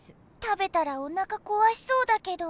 食べたらおなかこわしそうだけど。